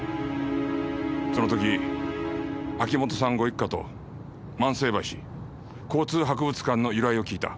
その時秋本さんご一家と万世橋交通博物館の由来を聞いた。